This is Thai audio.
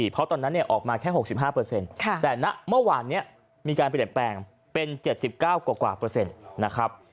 เพราะตอนนั้นออกมาแค่๖๕แต่ณเมื่อวานนี้มีการเปลี่ยนแปลงเป็น๗๙กว่าเปอร์เซ็นต์นะครับ